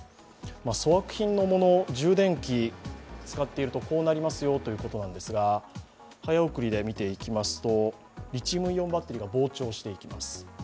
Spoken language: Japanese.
粗悪品のもの、充電器を使っているとこうなりますよということですが、早送りで見ていきますとリチウムイオンバッテリーが膨張していきます。